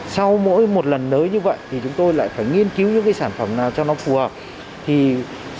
sau mỗi một lần nới như vậy thì chúng tôi lại phải nghiên cứu những sản phẩm nào cho nó phù hợp